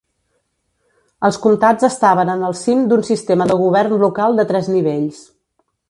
Els comtats estaven en el cim d'un sistema de govern local de tres nivells.